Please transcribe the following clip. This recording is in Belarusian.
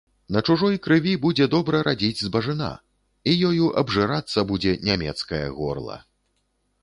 На чужой крыві будзе добра радзіць збажына, і ёю абжырацца будзе нямецкае горла.